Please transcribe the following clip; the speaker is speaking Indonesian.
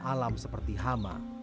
alam seperti hama